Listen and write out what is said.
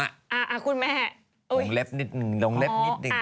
คุณแม่วงเล็บนิดนึงลงเล็บนิดนึง